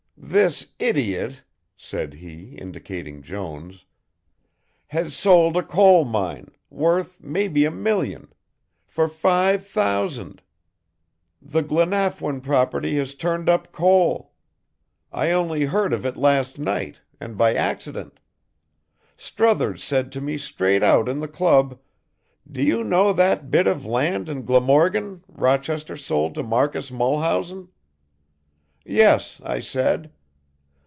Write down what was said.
"This idiot," said he, indicating Jones, "has sold a coal mine, worth maybe a million, for five thousand. The Glanafwyn property has turned up coal. I only heard of it last night, and by accident. Struthers said to me straight out in the club, 'Do you know that bit of land in Glamorgan, Rochester sold to Marcus Mulhausen?' Yes, I said.